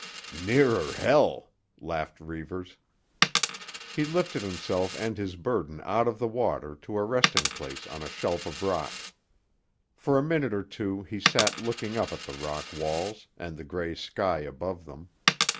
"Nearer hell," laughed Reivers. He lifted himself and his burden out of the water to a resting place on a shelf of rock. For a minute or two he sat looking up at the rock walls and the grey sky above them.